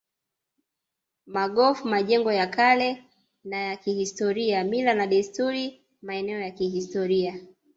Magofu majengo ya kale na ya kihistoria mila na desturi maeneo ya kihistoria